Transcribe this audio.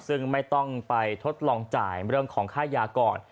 ซึ่งไม่ต้องไปทดลองจ่ายเรื่องของค่ายาก่อน